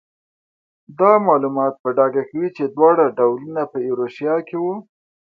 دا معلومات په ډاګه کوي چې دواړه ډولونه په ایروشیا کې وو.